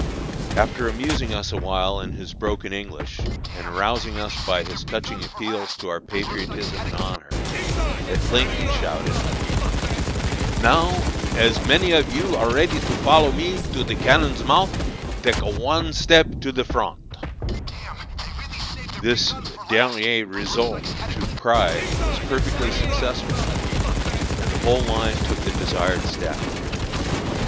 After amusing us awhile in his broken English, and arousing us by his touching appeals to our patriotism and honor, at length he shouted, "Now as many of you as are ready to follow me to the cannon's month, take one step to the front." This dernier resort to pride was perfectly successful, and the whole line took the desired step.